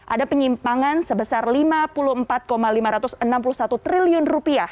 ada penyimpangan sebesar rp lima puluh empat lima ratus enam puluh satu triliun